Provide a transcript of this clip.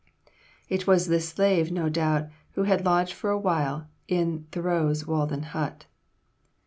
It was this slave, no doubt, who had lodged for a while in Thoreau's Walden hut.